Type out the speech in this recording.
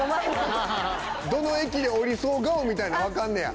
どの駅で降りそう顔みたいなん分かんねや？